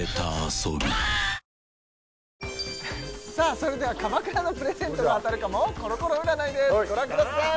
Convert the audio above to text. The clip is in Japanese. それでは鎌倉のプレゼントが当たるかもコロコロ占いですご覧ください